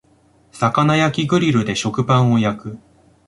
魚焼きグリルで食パンを焼く